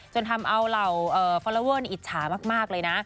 จนทำเอาเหล่าฟอลลอเวอร์อิจฉามากเลยนะ